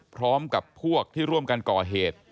พร้อมกับพวกที่ร่วมกันก่อเหตุ